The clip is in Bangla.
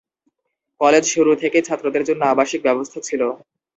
কলেজে শুরু থেকেই ছাত্রদের জন্য আবাসিক ব্যবস্থা ছিলো।